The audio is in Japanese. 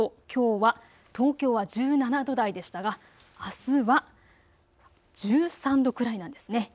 きょうは東京は１７度台でしたが、あすは１３度くらいなんですね。